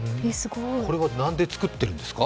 これはなんで作っているんですか？